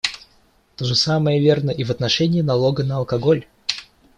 То же самое верно и в отношении налога на алкоголь.